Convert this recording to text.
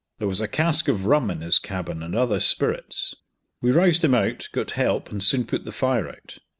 There was a cask of rum in his cabin and other spirits. We roused him out, got help, and soon put the fire out.